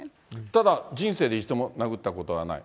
ただ、人生で一度も殴ったことはない。